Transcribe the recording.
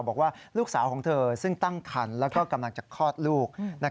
บอกว่าลูกสาวของเธอซึ่งตั้งคันแล้วก็กำลังจะคลอดลูก